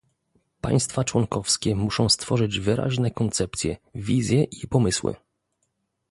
Państwa członkowskie muszą stworzyć wyraźne koncepcje, wizje i pomysły